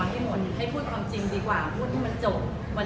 ตั้งที่พี่เค้าบอกว่าไม่อยากให้เอาความจริงออกมาให้หมด